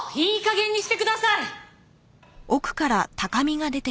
いいかげんにしてください！